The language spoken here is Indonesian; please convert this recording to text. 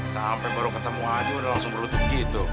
sampai baru ketemu aja udah langsung berlutin gitu